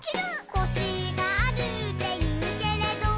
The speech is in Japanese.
「コシがあるっていうけれど」